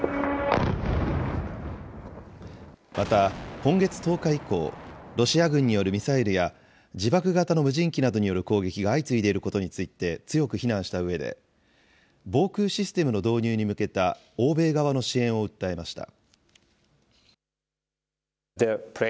また、今月１０日以降、ロシア軍によるミサイルや、自爆型の無人機などによる攻撃が相次いでいることについて、強く非難したうえで、防空システムの導入に向けた欧米側の支援を訴えました。